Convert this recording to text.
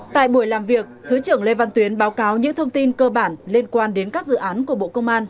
tại buổi làm việc thứ trưởng lê văn tuyến báo cáo những thông tin cơ bản liên quan đến các dự án của bộ công an